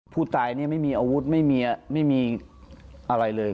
ผู้ตายนี่ไม่มีอาวุธไม่มีอะไรเลย